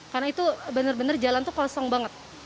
karena itu benar benar jalan itu kosong banget